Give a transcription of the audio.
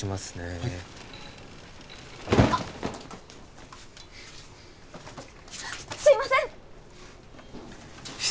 はいあっすいませんっ